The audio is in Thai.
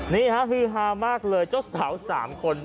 นี่ฮะฮือฮามากเลยเจ้าสาว๓คน